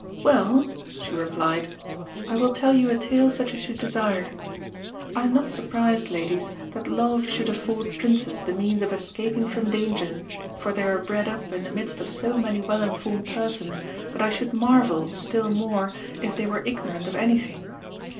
"Well," she replied, "I will tell you a tale such as you desire. "I am not surprised, ladies, that love should afford Princes the means of escaping from danger, for they are bred up in the midst of so many well informed persons that I should marvel still more if they were ignorant of anything.